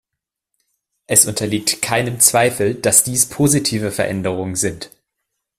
Es unterliegt keinem Zweifel, dass dies positive Veränderungen sind.